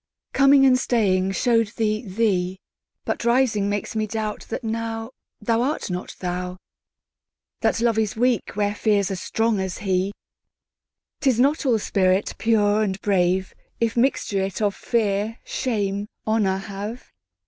Coming and staying show'd thee thee; But rising makes me doubt that nowThou art not thou. That Love is weak where Fear's as strong as he;'Tis not all spirit pure and brave, If mixture it of Fear, Shame, Honour have.